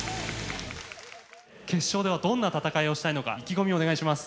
決勝ではどんな戦いをしたいのか意気込みお願いします。